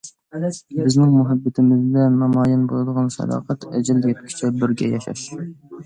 بىزنىڭ مۇھەببىتىمىزدە نامايان بولىدىغان ساداقەت، ئەجەل يەتكۈچە بىرگە ياشاش.